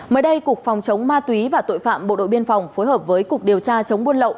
mới đây cục phòng chống ma túy và tội phạm bộ đội biên phòng phối hợp với cục điều tra chống buôn lậu